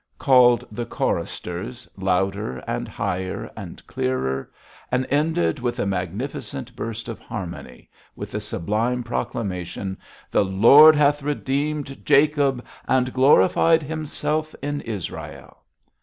called the choristers louder and higher and clearer, and ended, with a magnificent burst of harmony, with the sublime proclamation, 'The Lord hath redeemed Jacob, and glorified himself in Israel!'